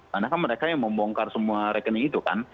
karena kan mereka yang membongkar semua rekening itu kan